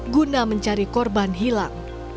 guna mencari korban hilang